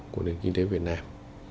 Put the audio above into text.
của nền kinh tế việt nam